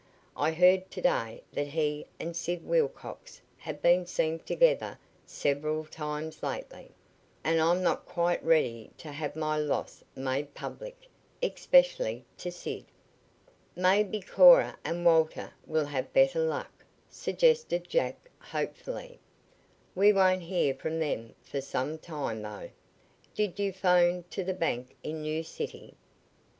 "I heard to day that he and Sid Wilcox have been seen together several times lately, and I'm not quite ready to have my loss made public especially to Sid." "Maybe Cora and Walter will have better luck," suggested Jack hopefully. "We won't hear from them for some time, though. Did you 'phone to the bank in New City?"